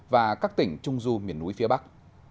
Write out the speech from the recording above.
và các tỉnh trung du miền núi phía bắc